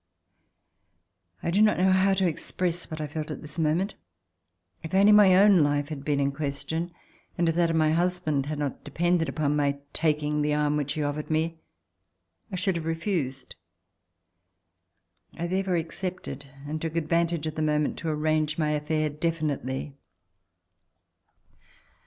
I do not know how to express what I felt at this moment. If only my own life had been in question, and if that of my husband had not depended upon my taking the arm which he offered me, I should have refused. I therefore accepted and took advan tage of the moment to arrange my affair definitely.